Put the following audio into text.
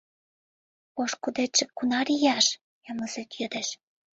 «Пошкудетше кунар ияш?» — эмлызет йодеш.